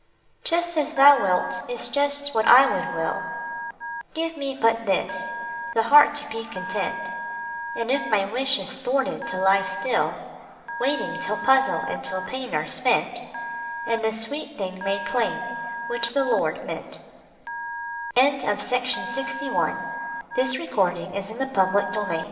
Just as thou wilt is just what I would will ; Give me but this, the heart to be content, And if my wish is thwarted to lie still, Waiting till puzzle and till pain are spent, And the sweet thing made plain which the Lord meant GOOD NIGHT 137 GOOD NIGHT OOD NIGHT, Belo